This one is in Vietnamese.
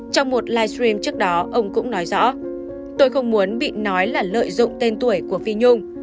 trong một livestream trước đó ông cũng nói rõ tôi không muốn bị nói là lợi dụng tên tuổi của phi nhung